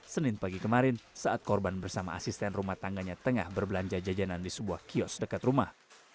senin pagi kemarin saat korban bersama asisten rumah tangganya tengah berbelanja jajanan di sebuah kios dekat rumah